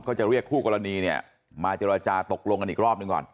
ก็จะเรียกคู่กรณีเนี่ยมาเจรจาตกลงกันอีกรอบหนึ่งก่อน